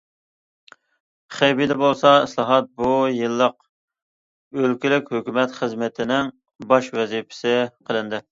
خېبېيدا بولسا ئىسلاھات بۇ يىللىق ئۆلكىلىك ھۆكۈمەت خىزمىتىنىڭ باش ۋەزىپىسى قىلىندى.